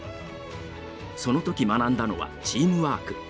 その時学んだのはチームワーク。